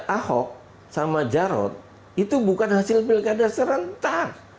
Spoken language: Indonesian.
ahok sama jarod itu bukan hasil pilkada serentak